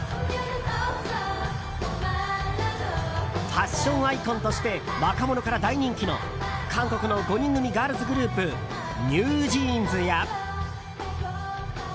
ファッションアイコンとして若者から大人気の韓国の５人組ガールズグループＮｅｗＪｅａｎｓや。